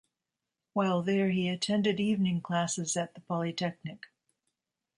While there he attended evening classes at the Polytechnic.